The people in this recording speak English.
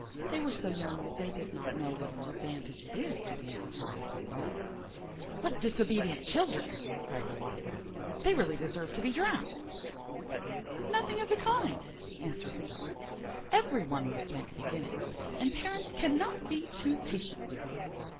They were so young that they did not know what an advantage it is to be in society at all. "What disobedient children!" cried the old Water rat; "they really deserve to be drowned." "Nothing of the kind," answered the Duck, "every one must make a beginning, and parents cannot be too patient."